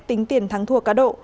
tính tiền thắng thua cá độ